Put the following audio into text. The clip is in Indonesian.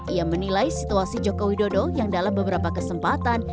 ia menilai situasi jokowi dodo yang dalam beberapa kesempatan